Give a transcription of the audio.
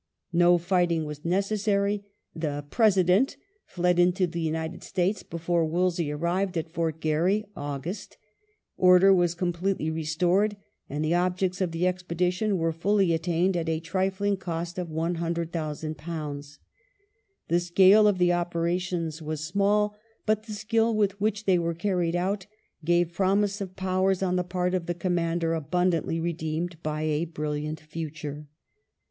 No fighting was necessary ; the " President " fled into the United States before Wolseley arrived at Fort Garry (August) ; order was completely restored, and the objects of the expedition were fully attained at a trifling cost of £100,000. The scale of the operations was small, but the skill with which they were carried out gave promise of powers on the paii; of the com mander abundantly redeemed by a brilliant future.